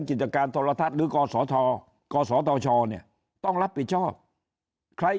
งกิจการธลทัทหรือกรสธชอนเนี่ยต้องรับผิดชอบใคร